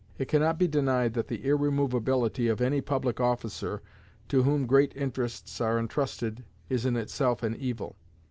It can not be denied that the irremovability of any public officer to whom great interests are intrusted is in itself an evil.